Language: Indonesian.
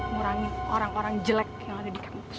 murangi orang orang jelek yang ada di kampus